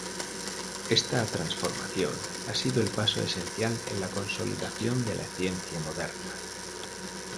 Esta transformación ha sido el paso esencial en la consolidación de la ciencia moderna.